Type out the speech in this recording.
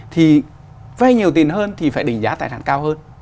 thì vay nhiều tiền hơn thì phải định giá tài sản cao hơn